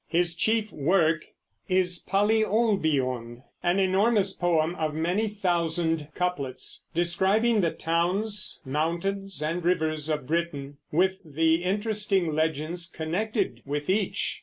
His chief work is Polyolbion, an enormous poem of many thousand couplets, describing the towns, mountains, and rivers of Britain, with the interesting legends connected with each.